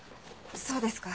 そうですか。